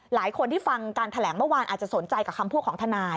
หลายคนที่ฟังการแถลงเมื่อวานอาจจะสนใจกับคำพูดของทนาย